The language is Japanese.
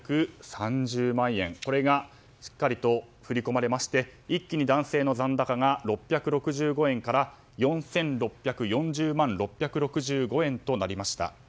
これがしっかりと振り込まれまして一気に男性の残高が６６５円から４６４０万６６５円となりました。